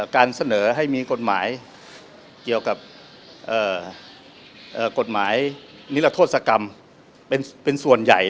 การเสนอให้มีกฎหมายเกี่ยวกับกฎหมายนิรโทษกรรมเป็นส่วนใหญ่